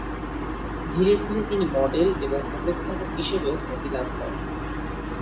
ধীরে ধীরে তিনি মডেল এবং উপস্থাপক হিসেবেও খ্যাতি লাভ করেন।